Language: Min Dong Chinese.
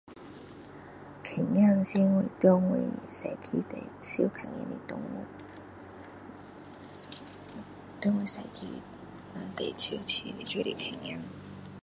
狗仔是对我身边最常看见的动物。在我身边最常喂的就是狗仔。